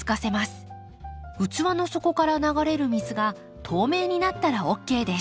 器の底から流れる水が透明になったらＯＫです。